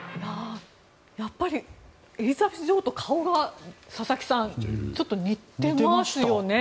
やっぱりエリザベス女王と顔が佐々木さんちょっと似てますよね。